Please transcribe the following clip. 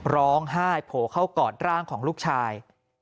ร้องไห้โผล่เข้ากอดร่างของลูกชาย